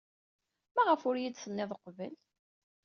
Maɣef ur iyi-d-tennid uqbel?